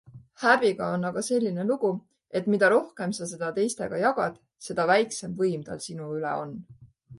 Häbiga on aga selline lugu, et mida rohkem sa seda teistega jagad, seda väiksem võim tal sinu üle on.